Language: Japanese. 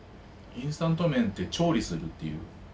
インスタント麺って「調理する」って言う？